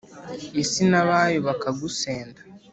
isi n'abayo bakagusenda